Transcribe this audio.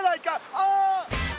ああ！